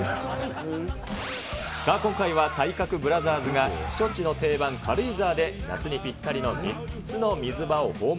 今回は体格ブラザーズが避暑地の定番、軽井沢で３つの水場を訪問。